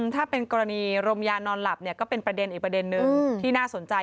ถ้าเป็นกรณีรมยานอนหลับเนี่ยก็เป็นประเด็นอีกประเด็นนึงที่น่าสนใจ